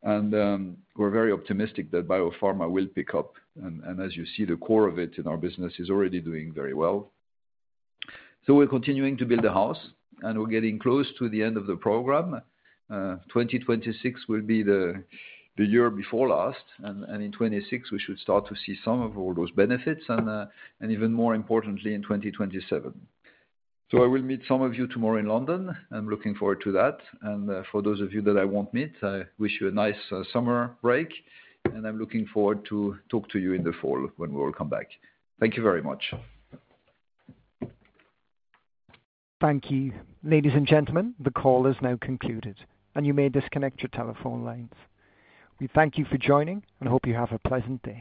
We're very optimistic that biopharma will pick up. As you see, the core of it in our business is already doing very well. We're continuing to build a house, and we're getting close to the end of the program. 2026 will be the year before last. In 2026, we should start to see some of all those benefits, and even more importantly, in 2027. I will meet some of you tomorrow in London. I'm looking forward to that. For those of you that I won't meet, I wish you a nice summer break. I'm looking forward to talk to you in the fall when we will come back. Thank you very much. Thank you. Ladies and gentlemen, the call is now concluded, and you may disconnect your telephone lines. We thank you for joining and hope you have a pleasant day.